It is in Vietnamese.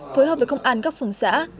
phối hợp với công an các phường xã